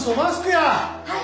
はい！